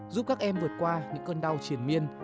giúp các em vượt qua những cơn đau triển miên